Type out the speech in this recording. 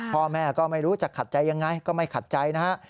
พ่อแม่ก็ไม่รู้จะขัดใจยังไงก็ไม่ขัดใจนะฮะ